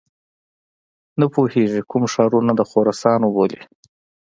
نه پوهیږي کوم ښارونه د خراسان وبولي.